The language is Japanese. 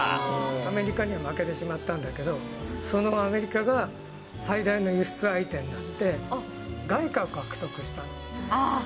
アメリカには負けてしまったんだけど、そのアメリカが最大の輸出相手になって、外貨を獲得したの。